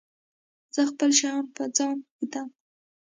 زه خپل شیان په ځای ږدم.